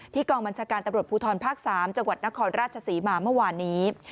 กองบัญชาการตำรวจภูทรภาค๓จังหวัดนครราชศรีมาเมื่อวานนี้